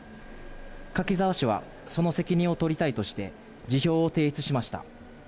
柿沢氏はその責任を取りたいとして辞表を提出しました。